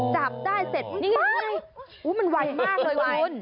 จับได้เสร็จปั๊บมันไวมากเลยคุณ